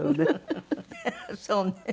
そうね。